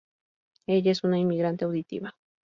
Ella es una inmigrante auditiva.